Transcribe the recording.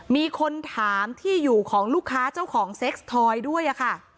มีคนถามที่อยู่ของลูกค้าเจ้าของเซ็กซ์ทอยด้วยค่ะ